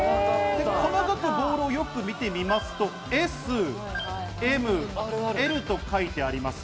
ボールをよく見てみますと、「Ｓ」「Ｍ」「Ｌ」と書いてあります。